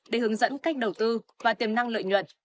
để hướng dẫn cách đầu tư và tiềm năng lợi nhuận